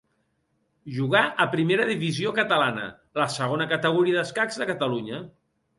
Jugà a primera divisió catalana, la segona categoria d'escacs de Catalunya.